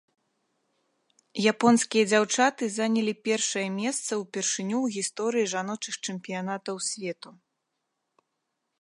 Японскія дзяўчаты занялі першае месца ўпершыню ў гісторыі жаночых чэмпіянатаў свету.